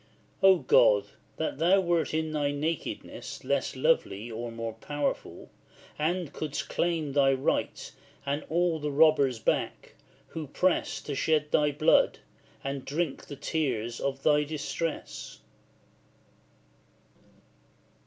Oh God! that thou wert in thy nakedness Less lovely or more powerful, and couldst claim Thy right, and awe the robbers back, who press To shed thy blood, and drink the tears of thy distress; XLIII.